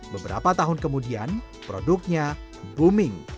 beberapa tahun kemudian produknya booming